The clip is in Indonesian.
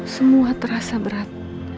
semua terasa berat